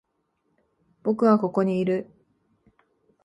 僕はここにいる。